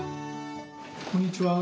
こんにちは。